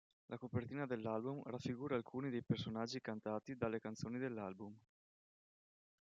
La copertina dell'album raffigura alcuni dei personaggi cantati dalle canzoni dell'album.